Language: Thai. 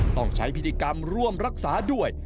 ต้องใช้พิธีกรรมร่วมรักษาด้วย